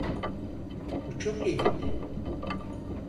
Bu çok iyiydi.